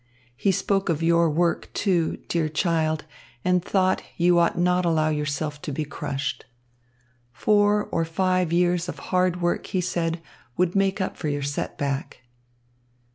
He spoke of your work, too, dear child, and thought you ought not allow yourself to be crushed. Four or five years of hard work, he said, would make up for your set back.